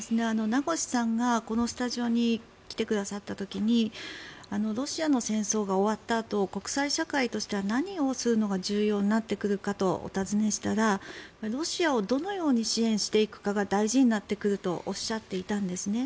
名越さんがこのスタジオに来てくださった時にロシアの戦争が終わったあと国際社会としては何をするのが重要になってくるかとお尋ねしたらロシアをどのように支援していくかが大事になってくるとおっしゃっていたんですね。